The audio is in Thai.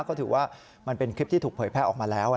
ก็ถือว่ามันเป็นคลิปที่ถูกเผยแพร่ออกมาแล้ว